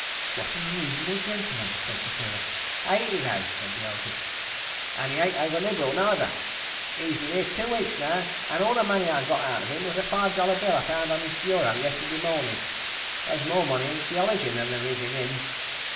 "What an unreasonable gentleman," said Sapphira. "Ain't he though!" said Beelzy. "And he ain't over liberal neither. He's been here two weeks now and all the money I've got out of him was a five dollar bill I found on his bureau yesterday morning. There's more money in theology than there is in him."